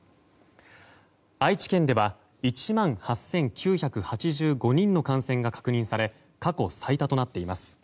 愛知県では１万８９８５人の感染が確認され過去最多となっています。